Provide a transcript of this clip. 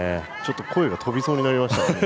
声が飛びそうになりました。